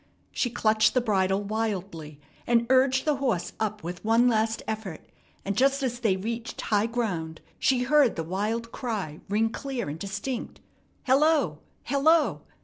She clutched the bridle wildly, and urged the horse up with one last effort; and just as they reached high ground she heard the wild cry ring clear and distinct, "Hello! Hello!"